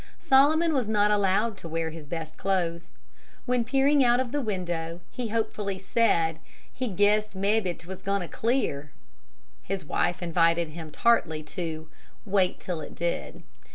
Solomon was not allowed to wear his best clothes. When, peering out of the window, he hopefully said he "guessed mebbe 't was goin' to clear," his wife invited him tartly to "wait till it did."